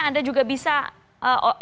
anda juga bisa apa koneksi